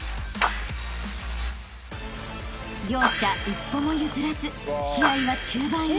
［両者一歩も譲らず試合は中盤へ］